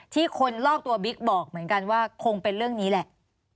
คนรอบตัวบิ๊กบอกเหมือนกันว่าคงเป็นเรื่องนี้แหละ